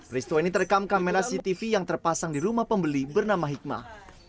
risto ini terekam kamera cctv yang terpasang di rumah pembeli bernama hikmah